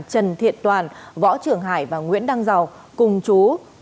trần thiện toàn võ trường hải và nguyễn đăng giàu cùng chú